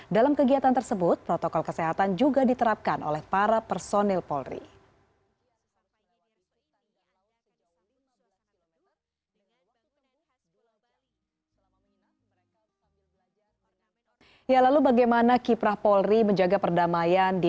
dalam kegiatan tersebut protokol kesehatan juga diterapkan oleh para personil polri